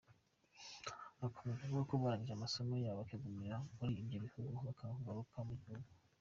Akomeza avuga ko barangije amasomo yabo bakigumira muri ibyo bihugu bakanga kugaruka mu gihugu.